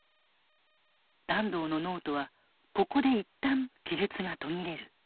團藤のノートはここで一旦記述が途切れる。